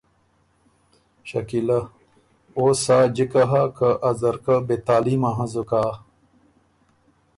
شکیلۀ: او سا جِکه هۀ که ا ځرکۀ بې تعلیمه هنزُک هۀ۔